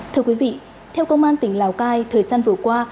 thưa quý vị theo công an tỉnh lào cai thời gian vừa qua